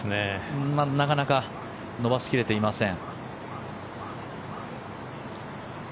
なかなか伸ばし切れていません。